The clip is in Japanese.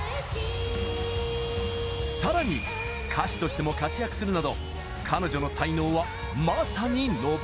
さらに歌手としても活躍するなど彼女の才能は、まさに上り坂！